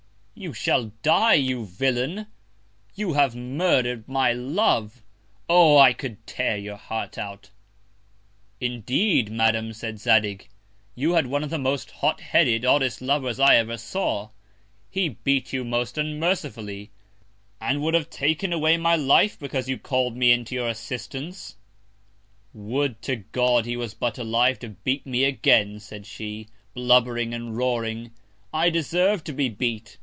You shall die, you Villain! You have murder'd my Love. Oh! I could tear your Heart out. Indeed, Madam, said Zadig, you had one of the most hot headed, oddest Lovers I ever saw. He beat you most unmercifully, and would have taken away my Life because you call'd me in to your Assistance. Would to God he was but alive to beat me again, said she, blubbering and roaring; I deserv'd to be beat.